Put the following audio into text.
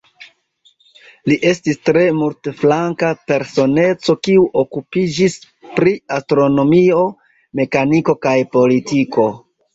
Li estis tre multflanka personeco, kiu okupiĝis pri astronomio, mekaniko kaj politiko.